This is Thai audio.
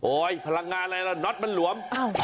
โอ๊ยพลังงานอะไรเหรอน็อตมันหลวม